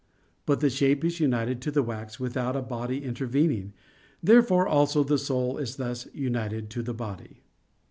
But the shape is united to the wax without a body intervening. Therefore also the soul is thus united to the body.